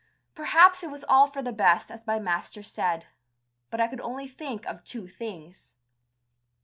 Perhaps it was all for the best as my master said, but I could only think of two things.